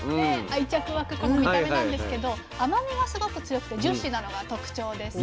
愛着湧くこの見た目なんですけど甘みがすごく強くてジューシーなのが特長です。